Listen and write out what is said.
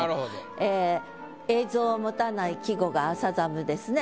ええ映像を持たない季語が「朝寒」ですね。